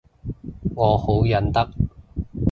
我好忍得